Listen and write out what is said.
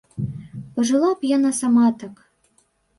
Пажыла б яна сама так!